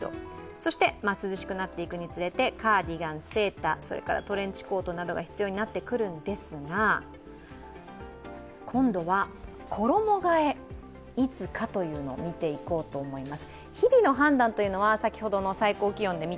そして、涼しくなっていくにつれてカーディガン、セーター、それからトレンチコートなどが必要になってくるんですが今度は、衣替え、いつかというのを見ていこうと思います。